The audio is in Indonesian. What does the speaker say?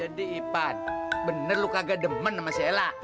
jadi ipan bener lu kagak demen sama si ella